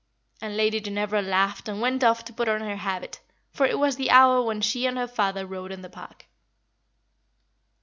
'" And Lady Ginevra laughed and went off to put on her habit, for it was the hour when she and her father rode in the park.